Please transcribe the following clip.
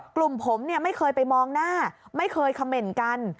กลุ่มผมเนี่ยไม่เคยไปมองหน้าไม่เคยคำเมนต์กัน